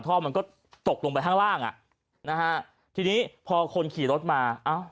ท่อมันก็ตกลงไปข้างล่างอ่ะนะฮะทีนี้พอคนขี่รถมาเอ้า